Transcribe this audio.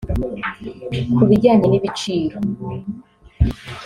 Ku bijyanye n’ibiciro